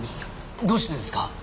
どうしてですか？